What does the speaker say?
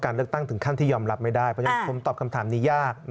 เลือกตั้งถึงขั้นที่ยอมรับไม่ได้เพราะฉะนั้นผมตอบคำถามนี้ยาก